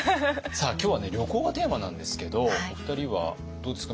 今日は旅行がテーマなんですけどお二人はどうですか？